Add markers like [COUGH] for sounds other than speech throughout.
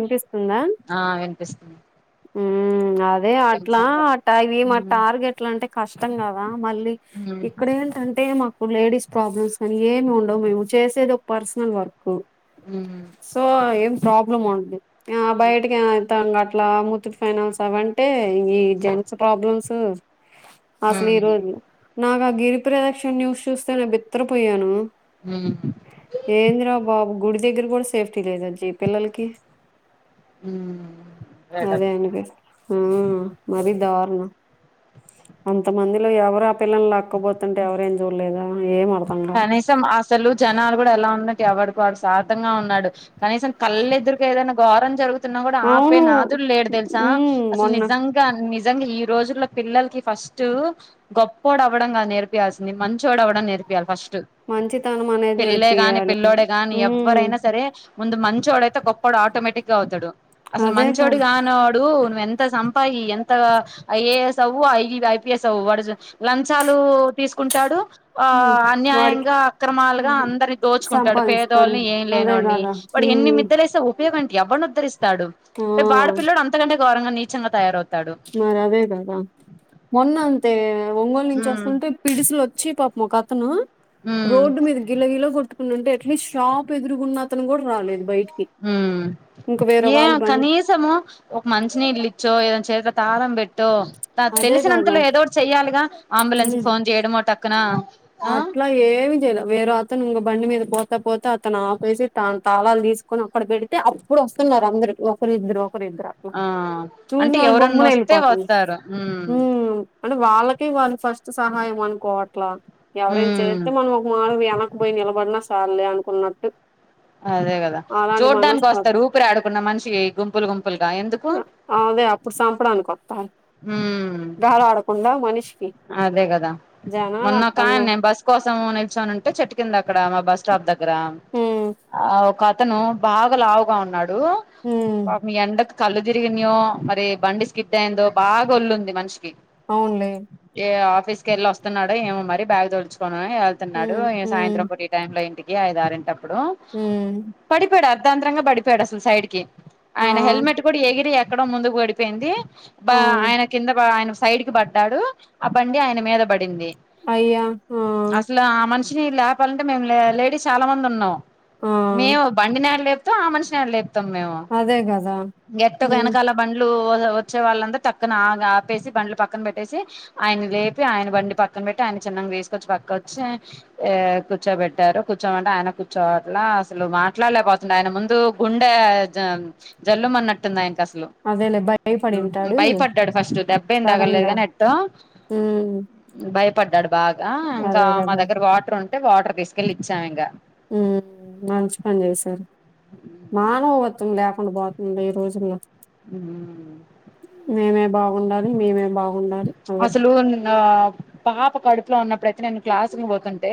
వినిపిస్తుందా ఆ వినిపిస్తుంది ఉమ్ అ అదే ఇంకేంటి అట్లా సంగతి అ ఇవి మా మ్మ్ టార్గెట్ లు అంటే కష్టం కదా మళ్ళీ మ్మ్ ఇక్కడ ఏంటంటే కే మాకు లేడీస్ ప్రాబ్లమ్స్ అని ఏమి ఉండవు మేము చేసేది ఒక పర్సనల్ వర్క్ మ్మ్ సో ఏం ల ఉంటంది ఆ బయటకి ఎం వెళ్తాం అట్లా ముత్తూట్ ఫైనాన్స్ అవంటే ఈ జంట్స్ ప్రాబ్లమ్స్ అసలు ఈ మ్మ్ రోజు నాకు ఆ గిరి ప్రదక్షిణ న్యూస్ చూస్తే నే బిత్తపోయాను మ్మ్ ఏందిరా బాబు గుడి దగ్గర కూడా సేఫ్టీ లేదు ఎంటి ఈ పిల్లలకి మ్మ్ అదే వినిపి ఉమ్ మరి దారు ణం అంత మందిలో ఎవరు ఆ పిల్లలని లాక్కపోతుంటే ఎవర ఏం చూడలేదా ఏం అర్థం కాలే కనీసం అసలు జనాలు కూడా ఎలా ఉన్నా అంటే ఎవడికి వాడు స్వార్థంగా ఉన్నాడు కనీసం కళ్ళు ఎదురుగా ఏదైనా ఘోరం జరుగుతున్నా కూడా ఆపే అవును నాదుడు లేడు తెలుసా హ్మ్ అసలు మొన్న నిజం గా అని నిజంగా ఈ రోజుల్లో పిల్లలకి ఫస్ట్ గొప్పోడు అవ్వడం కాదు నేర్పియాల్సింది మంచోడు అవ్వడం నేర్పి మంచితనం అనేది పిళ్లే గాని నేర్పియాలి పిల్లోడే గాని హ్మ్ ఎవరైనా సరే ముందు మంచోడు అయితే గొప్పోడు ఆటోమేటిక్ గా అవుతాడు. అసలు అదే మంచోడు కదా కానోడు నువ్వు ఎంత సంపాయి ఎంత ఆ ఐ ఏ ఎస్ అవ్వు ఐ ఐపిఎస్ అవ్వు వాడు లంచాలు తీసుకుంటాడు. ఆ హ్మ్ వాడికి అన్యాయంగా అక్రమాలుగా ఉహు అందరిని దోచుకుంటాడు. సంపాదిస్తాడు పేదోల్ని ఏమీ అదే లేనోన్ని కదా వాడు ఎన్ని హ్మ్ మిద్దలేసి ఓ ఉపయోగం ఏంటి ఎవరిని ఉద్ధరిస్తాడు. ఆ వాడు పిల్లోడు అంతకంటే ఘరంగా నీచంగా తయారవుతడు. మరి అదే గాదా మొన్న అంతే ఒంగోలు నుంచి వస్తుంటే పిడుసులు వచ్చి పాపం ఒక అతను ఉమ్ రోడ్డు మీద గిల గిల్ల కొట్టుకున్నంటే ఏట్లీస్ట్ షాప్ ఎదురుగున్న కూడా రాలేదు బయ ఉ ఏమే బండి కనీసము ఒక మంచి నీల్లిచో ఏదన్న చేత తాళం పెట్టో అదే కదా తెలిసినంతలో ఏదోటి చెయ్యాలిగా అంబులెన్స్ హ్మ్ కి ఫోన్ చేయడమో టక్కన అట్లా ఏమి చేయలే వేర అతను ఇంగ బండి మీద పో పోతే అతను ఆపేసి తనా తాళాలు తీసుకొని అక్కడ పెడితే అప్పుడు వస్తున్నారు. అందరు ఒకరిద్దరు ఇద్దరు అట్లా ఆ అంటే చూసినోళ్లు ఎవరన్నా గమ్మున వస్తే వెళ్ళిపోతార్రు వస్తారు ఉమ్ హ్ అంటే వాళ్ళకి వాళ్ళు ఫస్ట్ సహాయం అనుకోవట్లా ఎవరైనా ఉమ్ చేరితే మనం ఒక మూలాన వెనకపోయి నిలబడిన సాల్లే అనుకున్నట్టు అదే కదా అలాంటి చూడ్డానికి మనస్తత్వం వస్తారు. ఊపిరిడకున్న మనిషికి గుంపులు గుంపులుగా ఎందుకు అదే అప్పుడు సంపడానికి వోత్తర్ హ్ మనిషికి అదే కదా జనాలు మొన్న ఒకాయన అట్టున్నారు నేను బస్సు కోసం నిల్చొని ఉంటే చెట్టు కింద అక్కడ బస్ స్టాప్ దగ్గర ఉమ్ ఆ ఒక అతను బాగా లావుగా ఉన్నాడు. డు ఉమ్ పాపం ఈ ఎండకు కళ్ళు తిరిగనియో మరి బండి స్కిడ్ అయిందో బాగా వొల్లుంది. మనిషికి అవునులే ఏ ఆఫీస్ క వెళ్ళి వస్తున్నాడో ఏమో మరి బ్యాగ్ తడుచు ఆ ఇగ వెళ్తున్నాడు. ఉమ్ ఉమ్ సాయంత్రం ఈ టైంలో ఇంటికి ఐదు అరింటప్పుడు ఉమ్ ఇప్పటికి పోయాడు అర్ధాంతరంగా పడిపోయాడు. అసలు సైడ్ కి ఆ ఆయన హెల్మెట్ కూడా ఎగిరి ఎక్కడ ముందుకు పడిపోయింది. ఆ ఆయన కింద ఆయన సైడ్ కి పడ్డాడు ఆ బండి ఆయన మీద పడింది. అయ్యా ఆ అసలు ఆ లేపాలంటే మేము లేడీస్ చాలా మంది ఉన్నాం. ఆ! మేము బండినీ ఏడ లేపూ ఆ మనిషినీ ఏడ లేపుతాం. మేము అదే గదా! ఎట్గాగో హ్మ్. వెనకాల బండ్లు ఓ వచ్చే వాళ్ళంతా టక్కన ఆగి ఆపేసి బండ్లు పక్కన పెట్టేసి ఆయన లేపి ఆయన బండి పక్కన పెట్టి ఆయన చిన్నగా తీసుకొచ్చి పక్కకు వచ్చి కూర్చోబెట్టారు. కూర్చోమంటే ఆయన కూర్చోవాట్లే అసలు మాట్లాడలేపోతుంది. ఆయన ముందు గుండె జల్ అన్నట్టుంది. ఆయనకు అసలు అదేలే భయపడింటాడు భయపడ్డాడు ఫస్ట్ దెబ్బ ఏం తాగలేదు సడెన్‌గా. కాని ఎట్ట హ్మ్. భయపడ్డాడు బాగా ఇంకా అదే మా గదా! దగ్గర వాటర్ ఉంటే వాటర్ తీసుకెళ్లి ఇచ్చాం. ఇంకా ఉ మంచి పని చేసారు. మానవత్తం లేకుండా పోతుంది. ఈ రోజుల్లో మేమే బాగుండాలి మేమే బాగుండాలి. అదే. అసలు పాప కడుపులో ఉన్నప్పుడయితే నేను క్లాస్కి పోతుంటే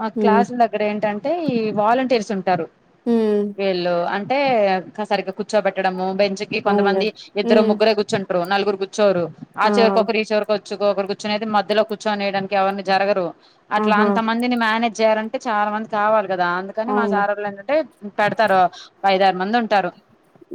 మా హ్మ్. క్లాస్ దగ్గర ఏంటంటే ఈ వాలంటీర్స్ ఉంటారు. హ్మ్. వీళ్ళు అం సరిగా కూర్చోబెట్టడము బెంచ్ కి అవునులే. కొంతమంది ఇద్దరు హ్మ్. ముగ్గురే కూర్చుంటారు. నలుగురు కుర్ ర్చోరు ఆ చివరికు ఒకరు ఈ చివరకు ఒకరు కూర్చొనినేది మధ్యలో కూర్చొనీయడానికి ఎవరూ జరుగారు. అట్లా ఆహా! అంత మందిని మేనేజ్ చేయ్యాలాంటే చాలా మంది కావాలి. కదా అందుకని మా అవునులే. సార్ వోళ్ళు ఏంటంటే పెడతారు. ఐద ఆరు మంది ఉంటారు.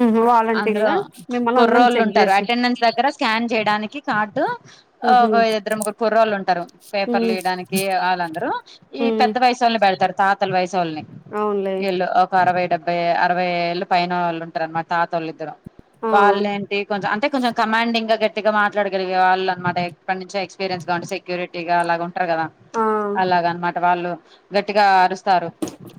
హుహు. అందులో వాలంటీర్‌లా మిమ్మల్ని అందరిని కుర్రోళ్ళు చెక్ ఉంటారు. జేశారు. అటెండెన్స్ దగ్గర స్కాన్ చేయడానికి కార్డు హుహు. ఒక ఇద్దరు ముగ్గురు కుర్రోళ్ళు ఉంటారు. పేపర్లు హ్మ్. ఇయడానికి వాళ్ళందరూ ఈ హ్మ్. పెద్ద వయసు వోళ్ళని పే డతారు. తాతలా వయసోళ్ళని అవునులే. ఇల్లు ఒక అరవై డబ్బై అరవై అరవై ఏళ్ళు పైన వాళ్ళు ఉంటారు మా తాత వాళ్ళిద్దరు ఆ! వాళ్ళ ఏంటి కొంచెం అంటే కొంచెం కమాండింగ్ గా గట్టిగా మాట్లాడగలిగే వాళ్ళు అనమాట ఎప్పటి నుంచో ఎక్స్పీరియన్స్ ల ఉంటరూ గా సెక్యూరిటీ గా అలాగ ఉంటారు కదా ఆ! అలాగ అనమాట వాళ్ళు గట్టి గా అరుస్తారు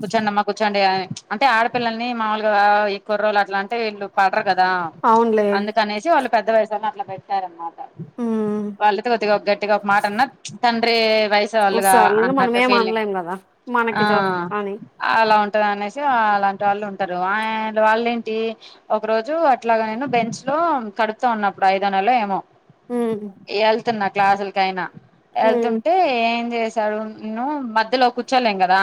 కూర్చోండి అమ్మా కూర్చోండి అని అంటే ఆడపిల్లల్ని మాముూలుగా ఈ కుర్రోలు అట్లా అంటె వీళ్ళు కదా అవునులే. అందుకనేసి వాళ్ళు పెద్ద వయసులో అట్లా పెట్టారు అనమాట హ్మ్ వాళ్ళయితే కొద్దిగా ఒక గట్టిగా ఒక మాట అన్న తండ్రి వయసే వాళ్ళుగా సడన్గా మనం అన్నట్టు ఏం ఫీలింగ్ అనలేం కదా ఆ మనకి జస్ అని అలా ఉంట దనేసి అలాంటి వాళ్ళు ఉంటారు అండ్ వాళ్ళ ఏంటి ఒక రోజు అట్లాగా నేను బెంచ్ లో కడుపూతో ఉన్నప్పుడు ఐదో నెల ఏమో హ్మ్ వెళ్తున్నా క్లాసులకైనా ఉమ్ వెళ్తుంటే ఏం చేసి డు న ఉన్ను మధ్యలో కూర్చోలేం కదా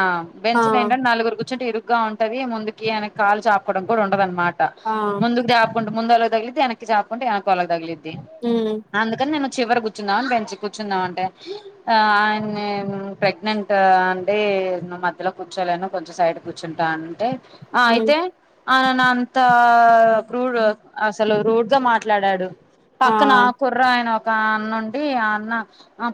ఆ బెంచ్లో ఏంటంటే నాలుగురు కూర్చుంటే ఇరు గా ఉంటది ముందుకి ఎనకీ కాలు చాపుకోవడం కూడా ఉండదునమాట ఆ ముందుకు దాపుకుంట ముంద ఒలకి తగిలింది ఎనక్కి చాపుకుంటె ఎనక వాళ్ళకి తగిలింది ఉమ్ అందు ను చివరి కూర్చుందాం అని పెంచి కూర్చుందాంటే ఆమ్ ప్రెగ్నెంట్ అంటే అయితే నేను మధ్యలో కూర్చోలేను కొంచెం సైడ్ కూర్చుంటా అంటే ఆ ఉమ్ అయితే ఆయాన అంతా రూడ్ అసలు రూడ్గా మాట్లాడాడు ఆ పక్కన కు ఒక అన్నుండి ఆ అన్న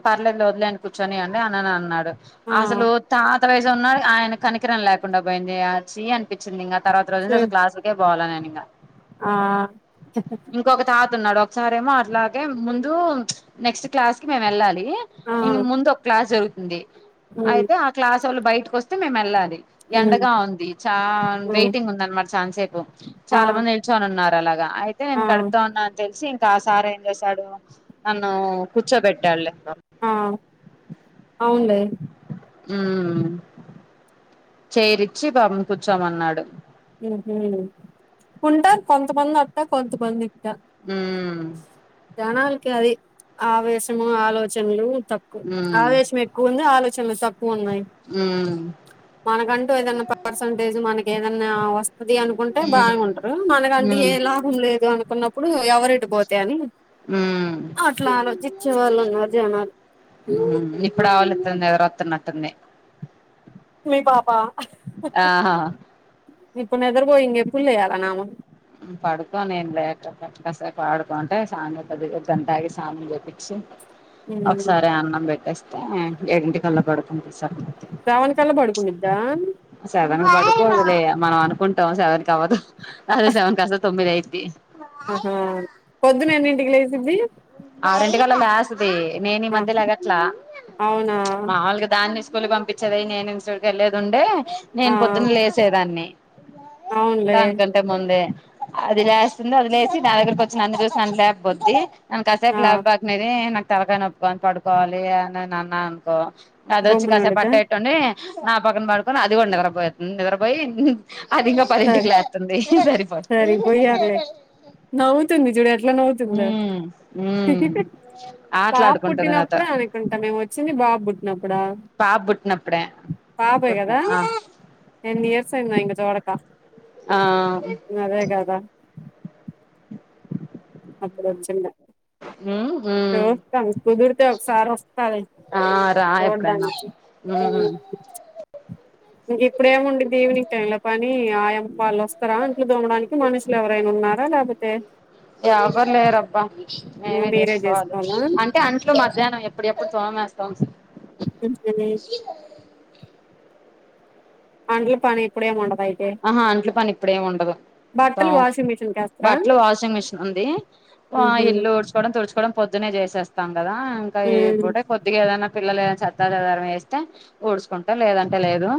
పర్లేదు లే వదిలేయంది కూర్చొనీ అండి అన్న అన్నాడు ఆ అసలు తాత వయసు ఉన్నాడు ఆయన కనికరం లేకుండా పోయింది ఆ చీ అనిపించింది ఇంకా తర్వాత రోజు చె నుంచి అసలు క్లాస్కే పోలేను ఇక ఆ ఒక సారేమో అట్లాగే ముందు నెక్స్ట్ క్లాస్ కి మేము వెళ్ళాలి ఆ ఇ ముందు ఒక క్లాస్ జరుగుతుంది ఉమ్ అయితే ఆ క్లాస్ ఒళ్ళు బయటకు వస్తే మేము వెళ్ళాలి ఉమ్ ఎండగా ఉంది చా ఉమ్ వెయిటింగ్ ఉంది అనమాట ఛానాసేపు ఆ చాలా మంది నిల్చొని ఉన్నారు అలాగా అయితే ఆ నేను కడుపుతో ఉన్నా అని తెలిసి ఇంకా ఆ సారి ఏం చేశాడు నన్ను కుచ్చబెట్టడు ఆ అవును ఉ చేరిచ్చి పాపం కూర్చోమన్నాడు ఉంటారు కొంతమంది అట్ట కొంతమంది ఇట్ల ఉమ్ జనాలకి అది ఆవేశము ఆలోచనలు తక్కువ ఉమ్ ఆవేశం ఎక్కువ ఉంది ఆలోచనలు తక్కువ ఉన్నాయి ఉమ్ మనకంటూ ఏదన్నా పర్సంటేజ్ మనకు ఏదనా వస్తుది అనుకుంటే ఉమ్ బాగుంటారు మనక అంటే ఉమ్ ఏ లాభం లేదు అనుకున్నప్పుడు ఎవరేటు పోతే అని ఉమ్ అట్లా ఆలోచించే వాళ్ళే ఉన్నారు జనాలు నిదరఒస్తున్నటుంది మీ పాపా ఆహా ఇప్పుడు నిద్రపోయింది ఎప్పులు లేయాలా నామ పడుకోనీ నేం లేపకు కొద్దిసేపు పడుకోంటే సనమ్ ఒక గంటాగి సనమ్ చెపించి ఉమ్. ఒకసారి అన్నం పెట్టేస్తే ఏడింటి కల్లో పడుకుకోపిస్త సెవెన్ కల్లా పడుకునిద్దా సెవెన్ పడిది మనం అనుకుంటాం సెవెన్ క అవ్వదు అదే సెవెన్ కస్తా తొమ్మిది అయిత ఆహా పొద్దున ఎన్నింటికీ లేసిది అరింటి కల లేస్తుది నేను ఈ ఆ మధ్య లేగట్లా అవునా మామలుగా దాన్ని స్కూలు పంపించేది నేను స్కూల్ కి వెళ్లేది ఉండే ఆ నేను పొద్దున లేసేదాన్ని అవునులే దాని కంటే ముందే అది లేస్తుంది అది లేసి నా దగ్గరకి వచ్చి నన్ను చూసి నాను లేపుద్ది నను కాసేపు ఆ లబ్ బాగక్నేది నాకు తలకాయా నొస్తుంది పడుకోవాలి అని నేను అన్నా అనుకో అదిచ్చి గమ్మునే కాసేపు ఉండిద్దా పట్ట పెటుని నా పక్కన పడుకొని అది కూడా నిద్రపోంది నిద్రపోయి అది ఇంకా సరే పదింటికి లేస్తుంది సరిపోతుంది సరి పోయర్లే నవ్వుతుంది చూడు ఎట్లా నవ్వుతుంద ఉమ్ పాప ఆటలాడుకుంటుంది నాతో పుట్టినప్పుడు అనుకుంట మే వచ్చింది బా బుట్నప్పుడా పాపుట్న అప్పుడే పాపుట్ ఎన్ని ఇయర్సయింద ఇంగ చోడకా ఆ అదే గదా అప్పుడు వచ్చుండే ఉమ్ ఉమ్ చూస్తాను కుదిరితే ఒకసారి వస్తాలే ఆ రా ఎప్పుడైనా చూడ్డానికి ఉమ్ ఇంక ఇప్పుడ ఏము ఉండిద్ది ఈవిెనింగ్ టైమ్ లో పని ఆయమ్మ వాళ్ళు వస్తారా ఇంట్లో దోమడానికి మనుషులు ఎవరైనా ఉన్నారా లేకపోతే ఎవరు లేరబ్బా మేమే మీరే చేసుకోవాలి చేసుకోవాలా అంటే అంట్లు మధ్యాహ్నం ఎప్పుడు ఎప్పుడు తో వేస్త తొంసా సజే [UNINTELLIGIBLE] అంట్ల పని ఎప్పుడేముండా ఆహా అంట్లో పని ఇప్పుడేమి ఉండదు బట్టల్ తోమ్ వాషింగ్ మెషన్ బట్టలు వాషింగ్ మిషన్ ఉంది ఉహు ఇల్లు ఉడ్చుకోవడం తుడుచుకోవడం పొద్దున్న చేసేస్తా కదా ఇంకా ఉమ్ ఇప్పుటే కొద్దిగా ఏదనా పిల్లలే సత్తాజధారం వేస్తే ఊడ్చుకుంటే లేదంటే లేదు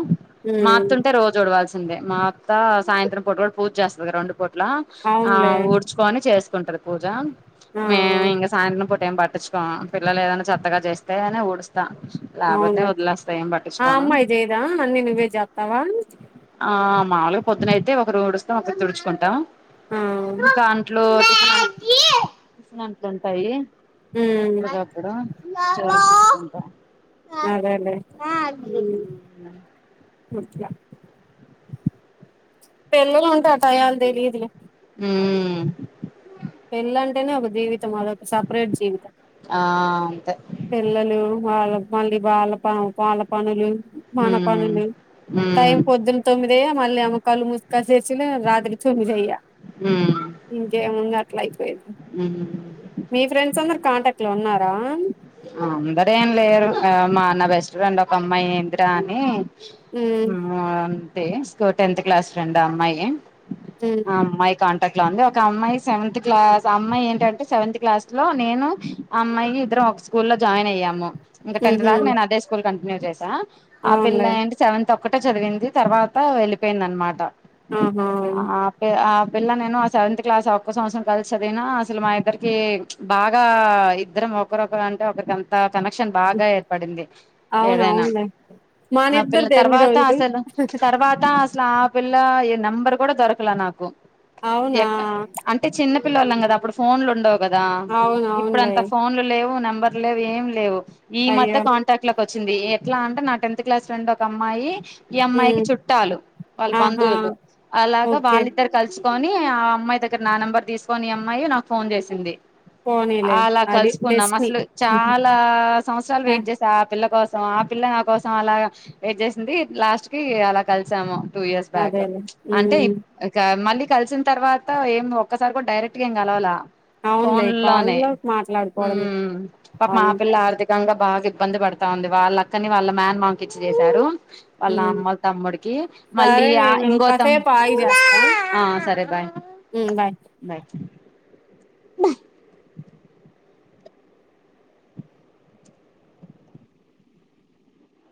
ఉమ్ మాత్తుంటే రోజు ఊడవాల్సి మత్త సాయంత్రం పూట్ కూడా పూజ చేస్తంది కద రెండు పూట్ల ఆ అవునులే ఊడ్చుకొని చేస్త ంటారు పూజ ఆ మేము ఇంక సాయంత్రం పూట ఏం ప చ్చుకో పిల్లలు ఏదైనా చెత్తగా చేస్తేని లాభతే అవునులే వదిలస్త ఏం ఆ పట్టించుకోన అమ్మాయి చేయదా అన్ని నువ్వే చేస్తావా మాూలుగా పొద్దున అయితే ఒకరు ఉడుస్తాం ఒకరు తుడుచుకుంటాం ఆ ట్లు ఉంటాయి ఉమ్ ఇప్పుడు మ [UNINTELLIGIBLE] అదే అదే పెళ్లలు ఉంటా టయాల్ తెలీదులే అ పెల్ంటేనే ఒక జీవిత మ అదొక సపరేట్ జీవితం ఆ అంతే పిల్లలు వాళ్ళ మళ్ళీ వాల ప వాల పనులు మన ఉమ్ పనులు టైం ఉమ్ పొద్దున్న తొమ్మిదే మళ్ళీ అమ్మకాళ్లుు ముసుకా చేసి రాత్రి తొమ్మి అయ్యా ఉమ్ ఇంకేముంది అట్లయి యి ఉమ్ మీ ఫ్రెండ్స్ అందరు కాంటాక్ట్ లో ఉన్నారా అందర ఏం లేరు మా నా బెస్ట్ ఫ్రెండ్ ఒక అమ్మాయి ఇందిరా అని ఉమ్ అంతే స్కూ టెన్త్ క్లాస్ ర్రెం అమ్మాయి ఉమ్ ఆ అమ్మాయి కాన్ లోంది ఒక అమ్మాయి సెవెంత్ క్లాస్ అమ్మాయి ఏంటంటే సెవెంత్ క్లాస్ లో నేను అమ్మాయి ఇద్దరం ఒక స్కూ లో జాయిన్ అయ్యాము ఇంకా టెన్త్ ఉహు దాకా నేను అదే స్కూల్ కంటిన్యూ చేసా ఆ పిల్ల అవునులే ఏంటి సెవన్త్ తొక్కట చదివింది తర్వాత వెళ్ళిపోయింది అనమాట ఆహా ఆపి ఆ పిల్ళ నేను ఆ సెవెంత్ క్లాస్ ఒక్కో సంవత్సరం కలిసి అదిా అసలు మా ఇద్దరికి బాగా ఇద్దరం ఒకరొకరు అంటే ఒకరికి అంత కనెక్షన్ బాగా ఏర్పడింది అవును ఏదైనా అవునులే ఆ పిల్ల మానిద్దరిది ఎన్ని తర్వాత రోజులు అసలు తర్వాతస అలా పిల్ల ఏ నంబర్ కూడా దొరకలా నాకు అవునా అంటే చిన్న పిల్లవాళ్ళం కదా అప్పుడు ఫోన్లు ఉండవు కదా అవును అవునులే ఇప్పుడుంత ఫోన్లు లేవు నెంబర్ లేవు ఏం లేవు ఈ మత్త అయ్యో కాంటాక్ట్ లోకి వచ్చింది ఎట్లా అంటే నా టెన్త్ క్లాస్ రెండి ఒక అమ్మాయి ఈ అమ్మాయికి ఉమ్ చుట్టాలు వాళ్ళ ఆహా బంధువులు అలాగా ఓకే వాళ్ళిద్దరు కలిసి కని ఆ అమ్మాయి దగ్గర నా నెంబర్ తీసుకొని అమ్మాయి నాకు ఫోన్ చేసింది పోనీలే అలా అది కలుసుకున్నాం డెస్ట్ని అసలు చాలా సంవత్సరాలు వెయిట్ చేసా ఆ పిల్ల ప కోసం ఆ పిల్ల నా కోసం అలా వేట్ చేసింది లాస్ట్ కి అలా కలిసాము టూ ఇయర్స్ బ్యాకూ అదేలే ప్చ్ అంటే ఉమ్ ఇప్ ఇక మళ్ళి కలిసిన తర్వాత ఏం ఒక్కసారి కూడా డైరెక్ట్గా ఏం గలవాల ఫోన్ అవునులే లోనే కాల్లో ఊ మాట్లాడుకోవడమే పా మా అంతే పిల్ల ఆర్థికంగా బాగా ఇబ్బంది పడతా ఉంది వాళ్ళ అక్కని వాళ్ళ మ్యాన్ మాంక్ ఇచ్చి చేశారు వాళ్ళ ఉమ్ అమ్మ తమ్ముడికి మళ్ళీ సరే ఆ నేను ఇంగోతం కాసేపు ఆగి చేస్తా ఆ సరే బాయ్ ఉమ్ బాయ్ బాయ్ బ